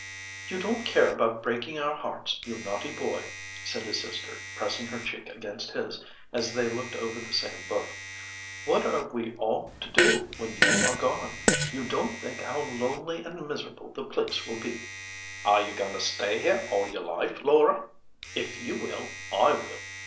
"You don't care about breaking our hearts, you naughty boy!" said his sister, pressing her cheek against his, as they looked over the same book. "What are we all to do when you are gone! You don't think how lonely and miserable the place will be." "Are you going to stay here all your life, Laura? If you will, I will.